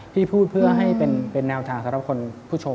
พี่พูดเพื่อให้นาวทางสำหรับคนผู้ชม